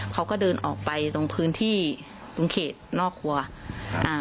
เขาก็เดินออกไปตรงพื้นที่ตรงเขตนอกครัวอ่า